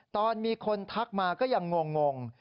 ตอนมีคนทักมาก็ยังงง